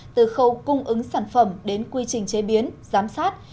từ khâu cung ứng sản phẩm đến quy trình chế biến giám sát